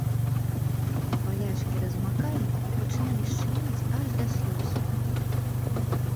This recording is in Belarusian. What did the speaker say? Балячкі размакалі і пачыналі шчымець аж да слёз.